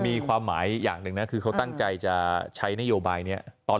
มีความหมายอย่างหนึ่งนะคือเขาตั้งใจจะใช้นโยบายนี้